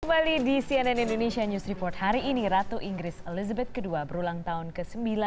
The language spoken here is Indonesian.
kembali di cnn indonesia news report hari ini ratu inggris elizabeth ii berulang tahun ke sembilan